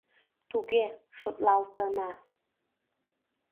Туге, шотлалтына.